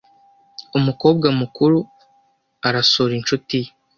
Umukobwa mukuru arasura inshuti ye.